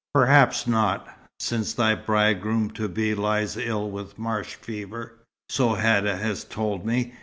"Perhaps not, since thy bridegroom to be lies ill with marsh fever, so Hadda has told me.